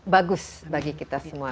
bagus bagi kita semua